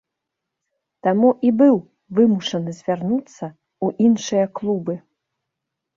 Таму і быў вымушаны звярнуцца ў іншыя клубы.